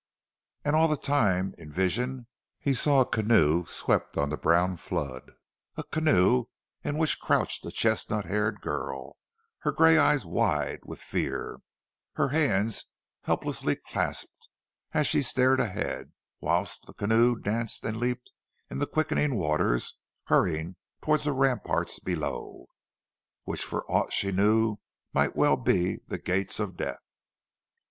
And all the time, in vision, he saw a canoe swept on the brown flood, a canoe in which crouched a chestnut haired girl, her grey eyes wide with fear; her hands helplessly clasped, as she stared ahead, whilst the canoe danced and leaped in the quickening waters hurrying towards the ramparts below, which for aught she knew might well be the gates of death.